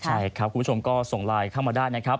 ใช่ครับคุณผู้ชมก็ส่งไลน์เข้ามาได้นะครับ